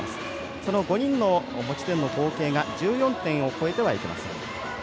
その５人の持ち点の合計が１４点を超えてはいけません。